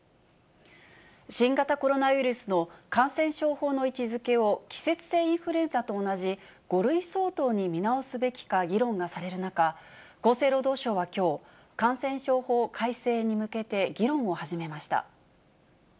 新型コロナウイルスの感染症法上の位置づけを季節性インフルエンザと同じ５類相当に見直すべきか議論がされる中、厚生労働省はきょう、感染症法改正に向けて、議論を始めました。